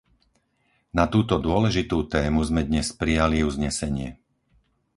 Na túto dôležitú tému sme dnes prijali uznesenie.